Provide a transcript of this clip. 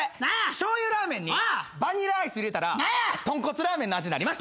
しょうゆラーメンにバニラアイス入れたら豚骨ラーメンの味になります。